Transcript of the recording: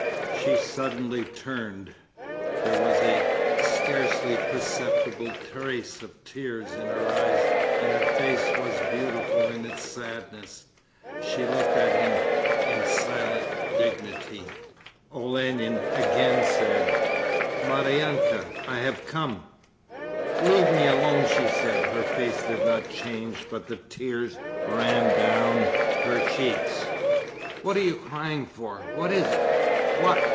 She suddenly turned. There was a scarcely perceptible trace of tears in her eyes and her face was beautiful in its sadness. She looked at him in silent dignity. Olenin again said: 'Maryanka, I have come ' 'Leave me alone!' she said. Her face did not change but the tears ran down her cheeks. 'What are you crying for? What is it?' 'What?'